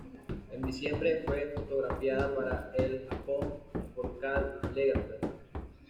En diciembre fue fotografiada para "Elle" Japón, por Karl Lagerfeld.